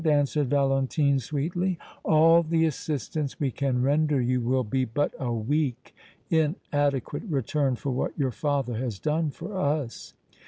answered Valentine, sweetly. "All the assistance we can render you will be but a weak, inadequate return for what your father has done for us.